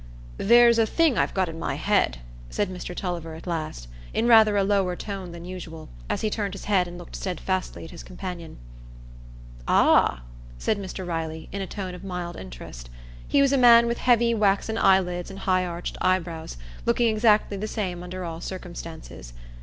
"There's a thing I've got i' my head," said Mr Tulliver at last, in rather a lower tone than usual, as he turned his head and looked steadfastly at his companion. "Ah!" said Mr Riley, in a tone of mild interest. He was a man with heavy waxen eyelids and high arched eyebrows, looking exactly the same under all circumstances.